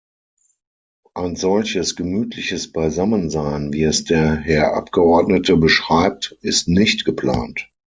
Ein solches gemütliches Beisammensein, wie es der Herr Abgeordnete beschreibt, ist nicht geplant.